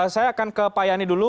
saya akan ke pak yani dulu